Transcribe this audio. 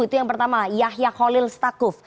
itu yang pertama yahya khalil stakuf